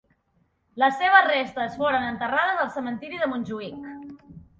Les seves restes foren enterrades al Cementiri de Montjuïc.